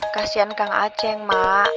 kasian kang aceng mak